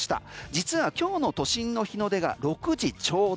実は今日の都心の日の出が６時ちょうど。